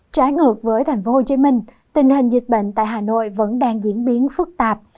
trái ngược với thành phố hồ chí minh tình hình dịch bệnh tại hà nội vẫn đang diễn biến phức tạp